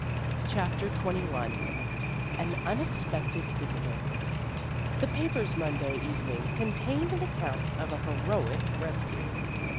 CHAPTER XXI AN UNEXPECTED VISITOR THE papers Monday evening contained an account of a heroic rescue.